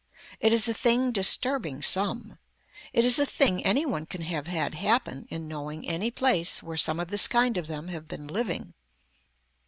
It is a thing disturbing some. It is a thing any one can have had happen in knowing any place where some of this kind of them have been living.